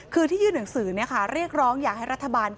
คือที่ยื่นหนังสือเรียกร้องอยากให้รัฐบาล